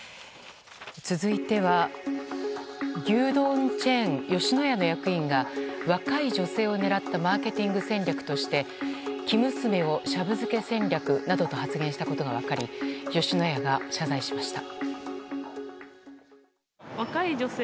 続いては牛丼チェーン吉野家の役員が若い女性を狙ったマーケティング戦略として生娘をシャブ漬け戦略などと発言したことが分かり吉野家が謝罪しました。